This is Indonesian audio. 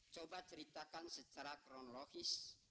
coba ceritakan secara kronologis